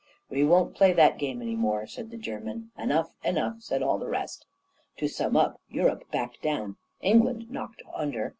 'We won't play that game any more,' said the German. 'Enough, enough!' said all the rest. To sum up: Europe backed down, England knocked under.